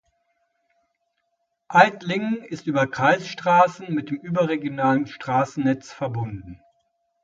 Aidlingen ist über Kreisstraßen mit dem überregionalen Straßennetz verbunden.